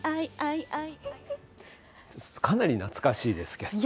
かなり懐かしいですね。